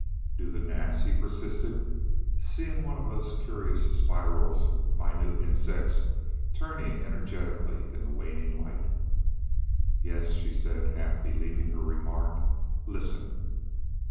"Do the gnats?" he persisted, seeing one of those curious spirals of minute insects turning energetically in the waning light. "Yes," she said, half believing her remark. "Listen!"